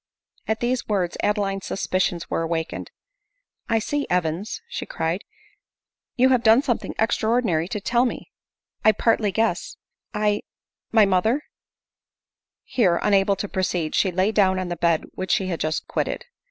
At these words Adeline's suspicions were awakened. " I see, Evans," she cried, " you have something extra ordinary to tell me ; I partly guess ; I — my mother * Here, unable to proceed, she lay down on the bed which she had just quitted.